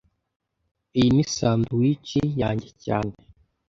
Iyi ni sandwich yanjye cyane